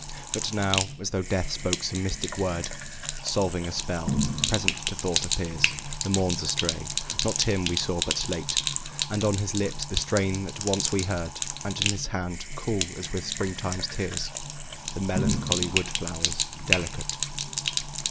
But now, as though Death spoke some mystic word Solving a spell, present to thought appears The morn's estray, not him we saw but late; And on his lips the strain that once we heard, And in his hand, cool as with Springtime's tears, The melancholy wood flowers delicate.